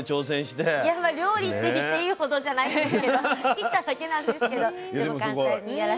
いや料理って言っていいほどじゃないんですけど切っただけなんですけどでも簡単にやらせてもらいました。